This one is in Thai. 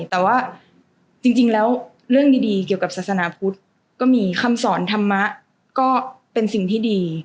แต่ว่าจริงแล้วเรื่องดีเกี่ยวกับศาสนาพุทธก็มีคำสอนธรรมะก็เป็นสิ่งที่ดี